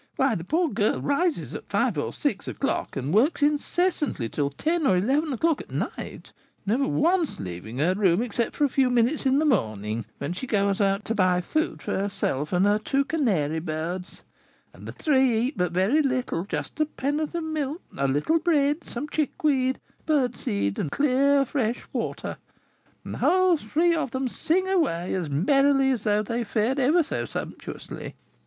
Why, the poor girl rises at five or six o'clock, and works incessantly till ten or eleven o'clock at night, never once leaving her room except for a few minutes in the morning, when she goes out to buy food for herself and her two canary birds; and the three eat but very little, just a penn'orth of milk, a little bread, some chickweed, bird seed, and clear fresh water, and the whole three of them sing away as merrily as though they fared ever so sumptuously.